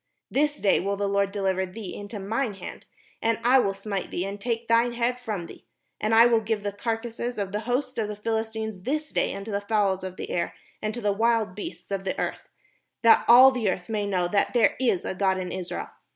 This day will the Lord deliver thee into mine hand; and I will smite thee, and take thine head from thee ; and I will give the carcases of the host of the Philistines this day unto the fowls of the air, and to the wild beasts of the earth; that all the earth may know that there is a God in Israel.